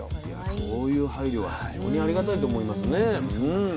そういう配慮は非常にありがたいと思いますね。